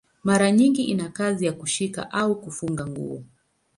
Mara nyingi ina kazi ya kushika au kufunga nguo.